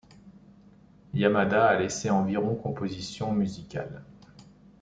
Yamada a laissé environ compositions musicales.